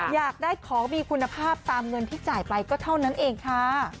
อยากได้ของมีคุณภาพตามเงินที่จ่ายไปก็เท่านั้นเองค่ะ